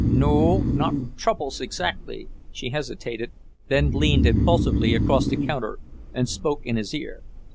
"No o, not troubles, exactly." She hesitated, then leaned impulsively across the counter and spoke in his ear.